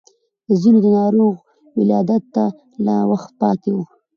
د ځينو د ناروغ ولادت ته لا وخت پاتې و.